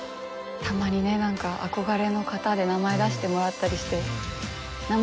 たまにね何か憧れの方で名前出してもらったりして。